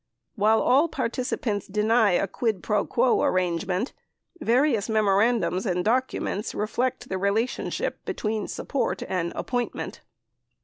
While all participants deny a quid pro quo arrangement, various memorandums and documents reflect the relationship between support and appoint ment.